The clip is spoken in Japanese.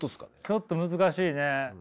ちょっと難しいね。